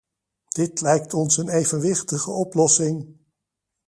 Dit lijkt ons een evenwichtige oplossing.